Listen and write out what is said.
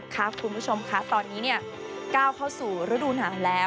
คุณผู้ชมค่ะตอนนี้ก้าวเข้าสู่ฤดูหนาวแล้ว